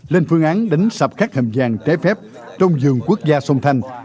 lên phương án đánh sập các hầm vàng trái phép trong vườn quốc gia sông thành